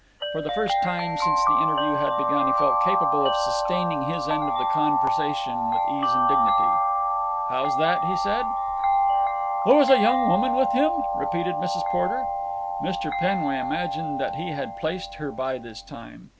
For the first time since the interview had begun he felt capable of sustaining his end of the conversation with ease and dignity. "How's that?" he said. "There was a young woman with him?" repeated Mrs. Porter. Mr. Penway imagined that he had placed her by this time.